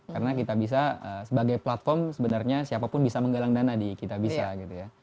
karena kita bisa sebagai platform sebenarnya siapapun bisa menggalang dana di kitabisa gitu ya